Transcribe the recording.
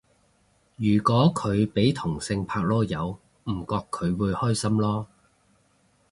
如果佢俾同性拍籮柚唔覺佢會開心囉